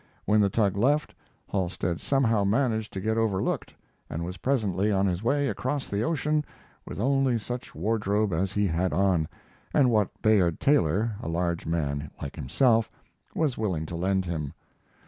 When the tug left, Halstead somehow managed to get overlooked, and was presently on his way across the ocean with only such wardrobe as he had on, and what Bayard Taylor, a large man like himself, was willing to lend him.